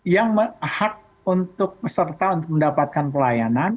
yang hak untuk peserta untuk mendapatkan pelayanan